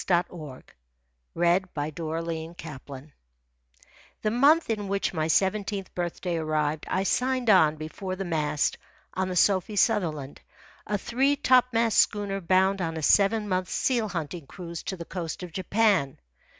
THAT DEAD MEN RISE UP NEVER The month in which my seventeenth birthday arrived I signed on before the mast on the Sophie Sutherland, a three topmast schooner bound on a seven months' seal hunting cruise to the coast of Japan.